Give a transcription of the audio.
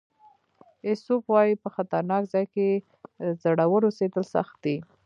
ایسوپ وایي په خطرناک ځای کې زړور اوسېدل سخت دي.